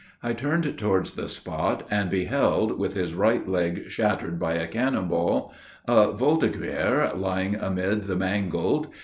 I turned towards the spot, and beheld, with his right leg shattered by a cannon ball, a voltiguer lying amid the mangled.